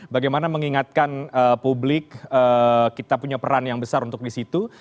bagaimana mengingatkan publik kita punya peran yang besar untuk di situ